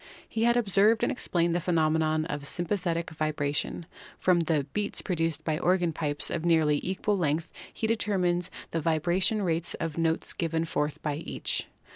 He had observed and explained the phe nomenon of sympathetic vibration. From the "beats" produced by organ pipes of nearly equal length he deter mined the vibration rates of the notes given forth by each.